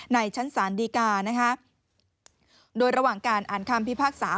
ในชั้นศาลดีกานะคะโดยระหว่างการอ่านคำพิพากษา